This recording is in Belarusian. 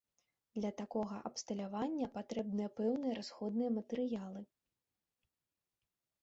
Для такога абсталявання патрэбныя пэўныя расходныя матэрыялы.